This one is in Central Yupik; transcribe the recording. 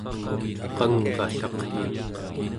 qangvallaq